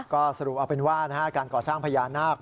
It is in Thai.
ก็สรุปเอาเป็นว่าการก่อสร้างพญานาค